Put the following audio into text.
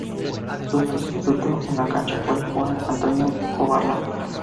Su sustituto en la cancha fue Juan Antonio Corbalán.